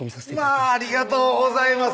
まぁありがとうございます